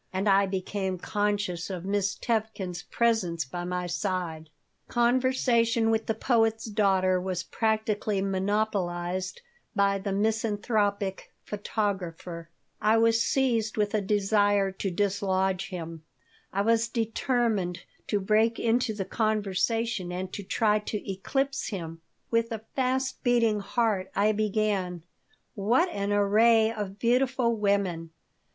And I became conscious of Miss Tevkin's presence by my side Conversation with the poet's daughter was practically monopolized by the misanthropic photographer. I was seized with a desire to dislodge him. I was determined to break into the conversation and to try to eclipse him. With a fast beating heart I began: "What an array of beautiful women!